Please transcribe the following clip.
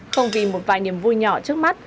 không vì một vài niềm vui nhỏ trước mắt